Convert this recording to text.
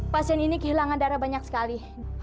pasien ini kehilangan darah banyak sekali